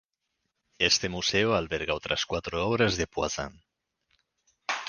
Este museo alberga otras cuatro obras de Poussin.